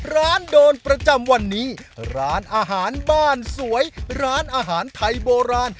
ร้านโดนประจำวันนี้ร้านอาหารบ้านสวยร้านอาหารไทยโบราณ